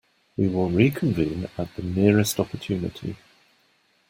We will reconvene at the nearest opportunity.